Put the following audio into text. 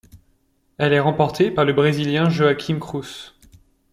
Elle est remportée par le Brésilien Joaquim Cruz.